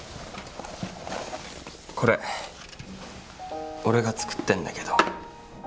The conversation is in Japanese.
これ俺が作ってんだけど。